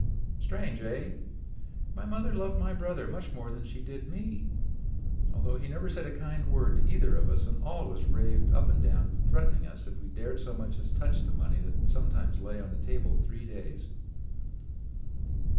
"Strange, eh? My mother loved my brother much more than she did me, although he never said a kind word to either of us and always raved up and down threatening us if we dared so much as touch the money that sometimes lay on the table three days.